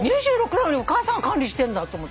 ２６なのにお母さんが管理してんだと。